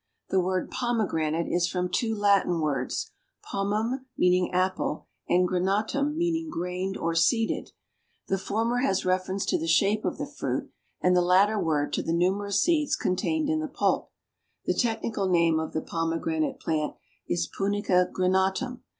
The word Pomegranate is from two Latin words, pomum, meaning apple, and granatum, meaning grained or seeded. The former has reference to the shape of the fruit and the latter word to the numerous seeds contained in the pulp. The technical name of the Pomegranate plant is Punica granatum.